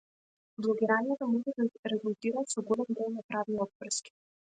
Блогирањето може да резултира со голем број на правни обврски.